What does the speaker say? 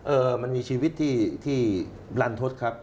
เออมันมีชีวิตที่ที่ลันทศครับ